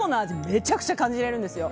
めちゃくちゃ感じられるんですよ。